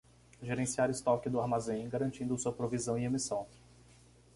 Gerenciar estoque do armazém, garantindo sua provisão e emissão.